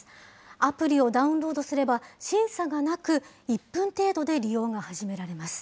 アプリをダウンロードすれば、審査がなく、１分程度で利用が始められます。